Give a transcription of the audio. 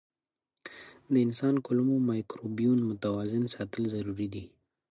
د انسان کولمو مایکروبیوم متوازن ساتل ضروري دي.